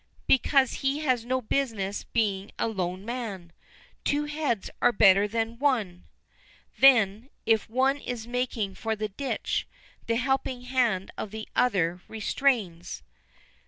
"Because he has no business being a lone man. Two heads are better than one; then, if one is making for the ditch, the helping hand of the other restrains."